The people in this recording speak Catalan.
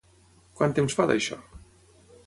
Quant temps fa d'això?